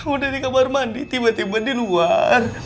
udah di kamar mandi tiba tiba di luar